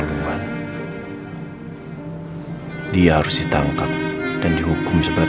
melakukan penawar masalah cada cara di atas terrorist